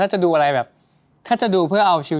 เฮ้ยนี่คืออะไร